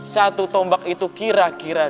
satu tombak itu kira kira